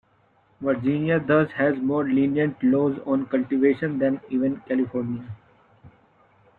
Virginia thus has more lenient laws on cultivation than even California.